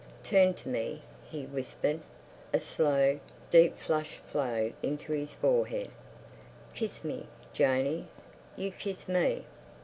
"Turn to me," he whispered. A slow, deep flush flowed into his forehead. "Kiss me, Janey! You kiss me!"